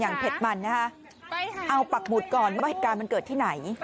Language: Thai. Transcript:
เผ็ดมันนะฮะเอาปักหมุดก่อนว่าเหตุการณ์มันเกิดที่ไหน